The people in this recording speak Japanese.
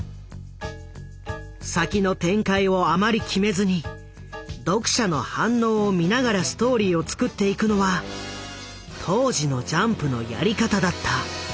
先の展開をあまり決めずに読者の反応を見ながらストーリーを作っていくのは当時のジャンプのやり方だった。